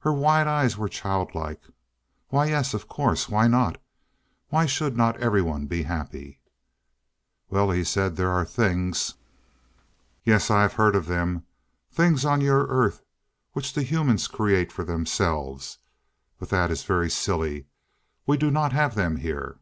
Her wide eyes were childlike. "Why yes. Of course. Why not? Why should not everyone be happy?" "Well," he said, "there are things " "Yes. I have heard of them. Things on your Earth which the humans create for themselves but that is very silly. We do not have them here."